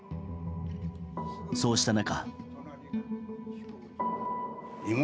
そうした中。